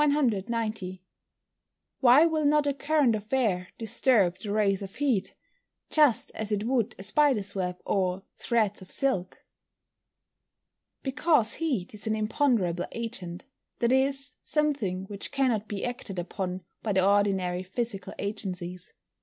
Why will not a current of air disturb the rays of heat, just as it would a spider's web, or threads of silk? Because heat is an imponderable agent, that is, something which cannot be acted upon by the ordinary physical agencies.